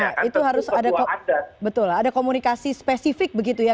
ya itu harus ada komunikasi spesifik begitu ya